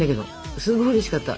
すごいうれしかった。